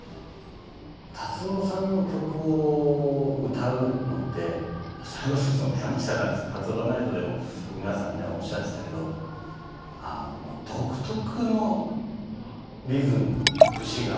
達郎さんの曲を歌うのってそれこそその「山下達郎ナイト！」でも皆さんねおっしゃってたけどあの独特のリズム節があるんですよね。